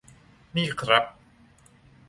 นี่ครับ